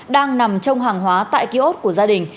đang nằm trong hàng hóa tại ký ốt của gia đình